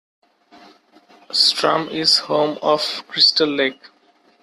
Strum is home of Crystal Lake.